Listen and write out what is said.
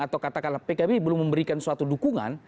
atau katakanlah pkb belum memberikan suatu dukungan